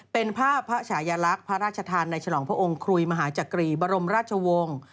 เป็นภาพพระฉายลักษณ์พระราชทานในฉลองพระองค์คุยมหาจักรีบรมราชวงศ์